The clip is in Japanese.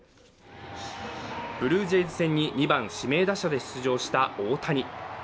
ブルージェイズ戦に２番・指名打者で出場した大谷。